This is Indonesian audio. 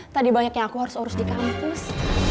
tadi banyaknya aku harus urus di kampus